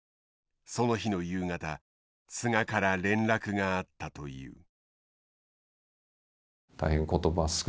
その日の夕方菅から連絡があったという。